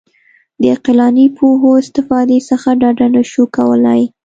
د عقلاني پوهو استفادې څخه ډډه نه شو کولای.